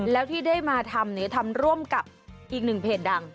แล้วที่ได้มาทำทำร่วมกับอีกหนึ่งเพจดัง